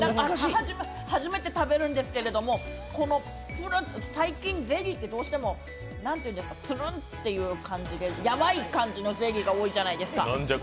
初めて食べるんですけれども、最近ゼリーってどうしても、ツルンっていう感じでやわい感じのゼリーが多いじゃないですか。